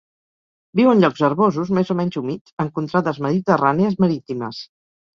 Viu en llocs herbosos més o menys humits en contrades mediterrànies marítimes.